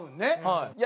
はい。